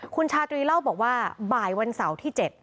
คุณชาตรีเล่าบอกว่าบ่ายวันเสาร์ที่๗